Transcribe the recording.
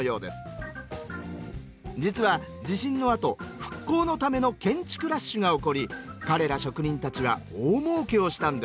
実は地震の後復興のための建築ラッシュが起こり彼ら職人たちは大もうけをしたんです。